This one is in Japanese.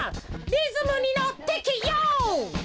「リズムにのってけヨー！」